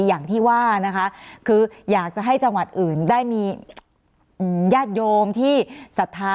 อย่างที่ว่านะคะคืออยากจะให้จังหวัดอื่นได้มีญาติโยมที่ศรัทธา